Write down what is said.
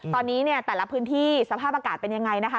ตอนนี้เนี่ยแต่ละพื้นที่สภาพอากาศเป็นยังไงนะคะ